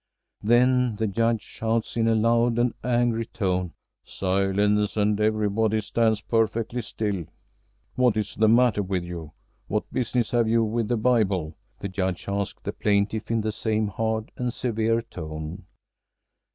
Then the Judge shouts in a loud and angry tone, "Silence!" and everybody stands perfectly still. "What is the matter with you? What business have you with the Bible?" the Judge asks the plaintiff in the same hard and severe tone.